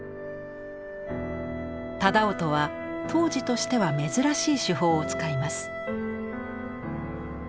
楠音は当時としては珍しい手法を使います。